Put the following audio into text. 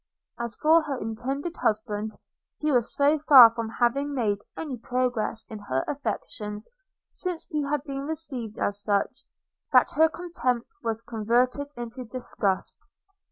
As for her intended husband, he was so far from having made any progress in her affections since he had been received as such, that her contempt was converted into disgust.